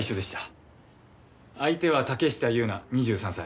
相手は竹下友那２３歳。